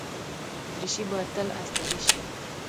دریشي باید تل استری شي.